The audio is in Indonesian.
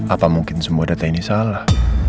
apa mungkin semua data ini salah